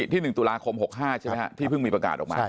ที่๑ตุลาคม๖๕ใช่ไหมครับที่เพิ่งมีประกาศออกมา